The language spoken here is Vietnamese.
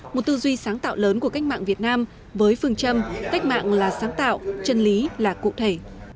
một tư duy sáng tạo lớn của cách mạng việt nam với phương châm cách mạng là sáng tạo chân lý là cụ thể